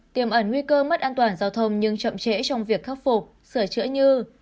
tiềm ẩn nguy cơ mất an toàn giao thông nhưng chậm trễ trong việc khắc phục sửa chữa như